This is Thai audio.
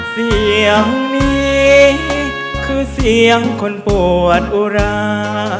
เสียงนี้คือเสียงคนปวดอุรา